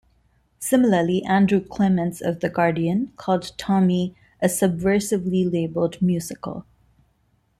Similarly, Andrew Clements of "The Guardian" called "Tommy" a subversively-labeled musical.